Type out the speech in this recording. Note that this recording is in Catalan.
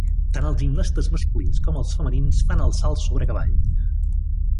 Tan els gimnastes masculins com el femenins fan el salt sobre cavall.